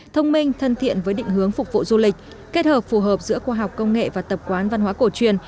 thông minh thân thiện với định hướng phục vụ du lịch kết hợp phù hợp giữa khoa học công nghệ và tập quán văn hóa cổ truyền